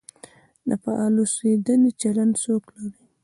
د فعال اوسېدنې چلند څوک لري؟